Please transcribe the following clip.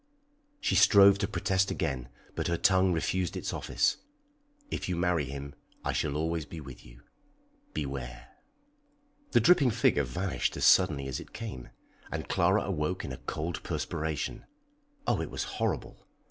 She strove to protest again, but her tongue refused its office. "If you marry him, I shall always be with you! Beware!" [Illustration: "IDENTIFIED THE BODY."] The dripping figure vanished as suddenly as it came, and Clara awoke in a cold perspiration. Oh, it was horrible!